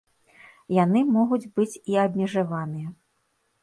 Яны могуць быць і абмежаваныя.